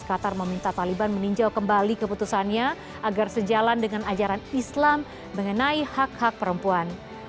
qatar meminta taliban meninjau kembali keputusannya agar sejalan dengan ajaran islam mengenai hak hak perempuan